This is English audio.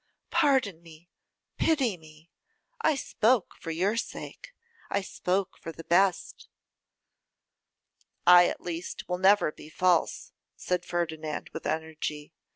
Pardon me, pity me, I spoke for your sake, I spoke for the best.' 'I, at least, will never be false,' said Ferdinand with energy.